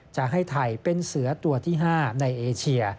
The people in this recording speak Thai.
จะให้ไทยเป็นเสือตัวที่๕ในเอเชีย